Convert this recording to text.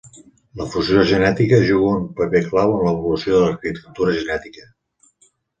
La fusió genètica juga un paper clau en l'evolució de l'arquitectura genètica.